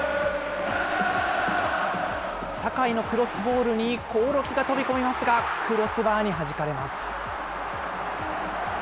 酒井のクロスボールに興梠が飛び込みますが、クロスバーにはじかれます。